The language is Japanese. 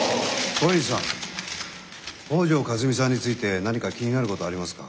小西さん北條かすみさんについて何か気になることはありますか？